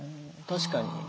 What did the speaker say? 確かに。